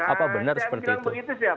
apa benar seperti itu